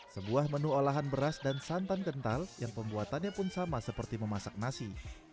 sebuah menu olahan beras dan santan kental yang pembuatannya pun sama seperti memasak nasi